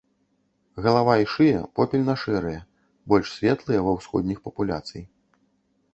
Галава і шыя попельна-шэрыя, больш светлыя ва ўсходніх папуляцый.